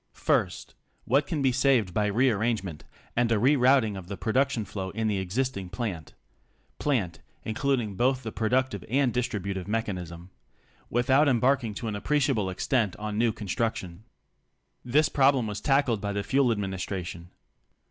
First, what can be saved by rearrangement and a re routing of the production flow in the existing plant ("plant" including both the productive and distributive mechanism) without embarking to an appreciable extent on new con struction. This problem was tackled by the Fuel Admin istration.